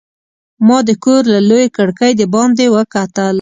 ما د کور له لویې کړکۍ د باندې وکتل.